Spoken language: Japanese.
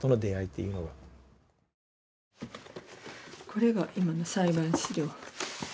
これが今の裁判資料。